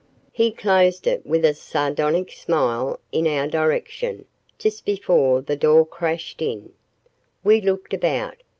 He closed it with a sardonic smile in our direction, just before the door crashed in. We looked about.